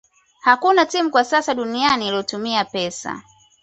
Hakuna timu kwa sasa duniani iliyotumia pesa